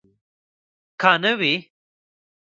که نه وي.